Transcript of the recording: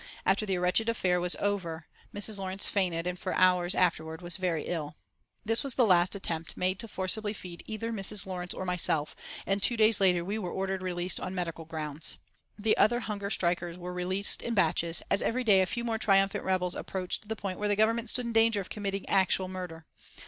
After the wretched affair was over Mrs. Lawrence fainted, and for hours afterwards was very ill. This was the last attempt made to forcibly feed either Mrs. Lawrence or myself, and two days later we were ordered released on medical grounds. The other hunger strikers were released in batches, as every day a few more triumphant rebels approached the point where the Government stood in danger of committing actual murder.